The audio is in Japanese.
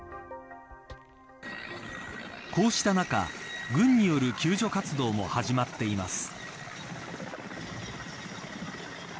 こうした中、軍による救助活動も始まっています。